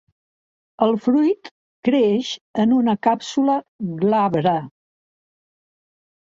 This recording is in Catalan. El fruit creix en una càpsula glabra.